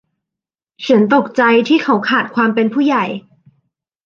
ฉันตกใจที่เขาขาดความเป็นผู้ใหญ่